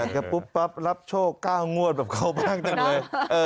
อยากจะปุ๊บปั๊บรับโชคกล้างวดแบบเขาบ้างจังเลย